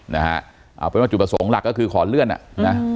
นะฮะเอาเป็นว่าจุดประสงค์หลักก็คือขอเลื่อนอ่ะนะ